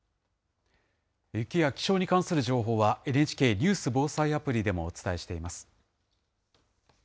雪や気象に関する情報は、ＮＨＫニュース・防災アプリでもお伝えしています。